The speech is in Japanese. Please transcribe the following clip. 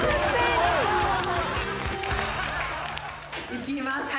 いきますか？